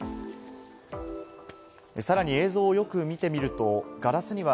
さらに映像をよく見てみると、ガラスには